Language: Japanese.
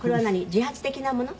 「自発的なもの？